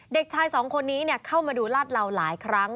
เด็กชายสองคนนี้เข้ามาดูลาดเหลาหลายครั้ง